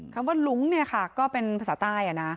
คำว่าหลุ้งค่ะก็เป็นภาษาใต้นะ